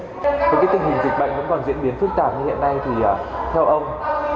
với cái tình hình dịch bệnh nó còn diễn biến phức tạp như hiện nay thì theo ông